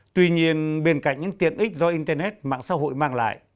tuy nhiên bên cạnh những tiện ích do internet mạng xã hội mang lại